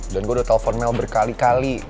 dan gue udah telpon mel berkali kali